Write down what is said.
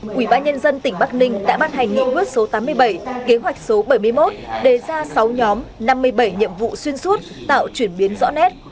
quỹ bãi nhân dân tỉnh bắc ninh đã ban hành nghị quyết số tám mươi bảy kế hoạch số bảy mươi một đề ra sáu nhóm năm mươi bảy nhiệm vụ xuyên suốt tạo chuyển biến rõ nét